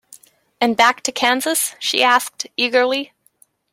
And back to Kansas? she asked, eagerly.